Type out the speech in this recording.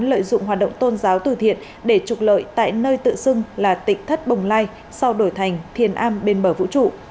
lợi dụng hoạt động tôn giáo tử thiện để trục lợi tại nơi tự xưng là tịch thất bồng lai sau đổi thành thiên am bên bờ vũ trụ